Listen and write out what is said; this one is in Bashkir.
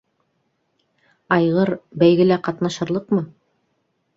Айғыр... бәйгелә ҡатнашырлыҡмы?